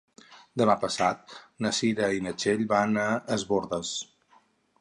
Demà passat na Cira i na Txell van a Es Bòrdes.